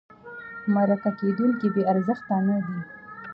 مرکه کېدونکی بې ارزښته نه دی.